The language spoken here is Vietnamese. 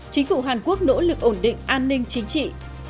chính phủ hàn quốc nỗ lực ổn định an ninh chính trị